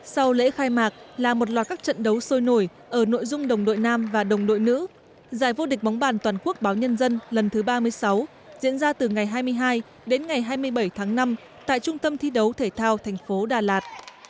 sau lễ khai mạc là một loạt các trận đấu sôi nổi ở nội dung đồng đội nam và đồng đội nữ giải vô địch bóng bàn toàn quốc báo nhân dân lần thứ ba mươi sáu diễn ra từ ngày hai mươi hai đến ngày hai mươi bảy tháng năm tại trung tâm thi đấu thể thao thành phố đà lạt